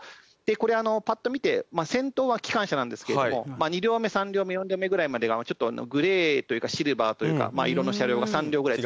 これパッと見て先頭は機関車なんですけれども２両目３両目４両目ぐらいまでがちょっとグレーというかシルバーというか色の車両が３両ぐらい。